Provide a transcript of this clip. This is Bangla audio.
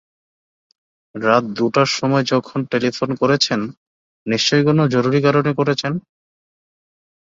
রাত দুটার সময় যখন টেলিফোন করেছেন, নিশ্চয়ই কোনো জরুরি কারণে করেছেন।